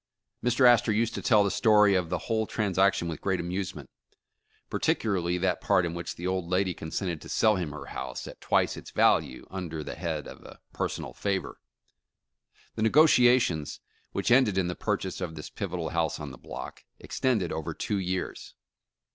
Mr. Astor used to tell the story of the whole transac tion with great amusement, particularly that part in which the old lady consented to sell him her house at twice its value, under the head of a personal favor. The negotiations, which ended in the purchase of this pivotal house on the block, extended over two years.